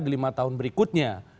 di lima tahun berikutnya